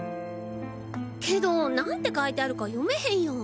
けど何て書いてあるか読めへんやん。